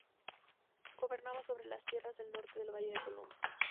Gobernaba sobre las tierras del norte del valle del Tulúm.